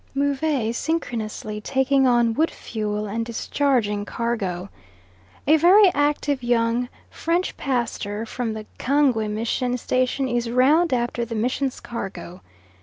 Move synchronously taking on wood fuel and discharging cargo. A very active young French pastor from the Kangwe mission station is round after the mission's cargo.